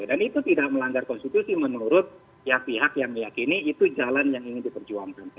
dan itu tidak melanggar konstitusi menurut pihak pihak yang meyakini itu jalan yang ingin diperjuangkan